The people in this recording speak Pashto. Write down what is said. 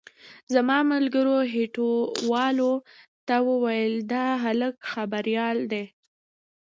زما ملګرو هټيوالو ته وويل دا هلک خبريال دی.